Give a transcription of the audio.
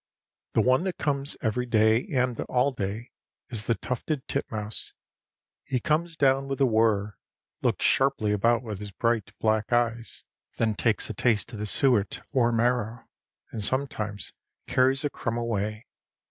The one that comes every day and all day, is the tufted titmouse. He comes down with a whir, looks sharply about with his bright, black eyes, then takes a taste of the suet or marrow, and sometimes carries a crumb away.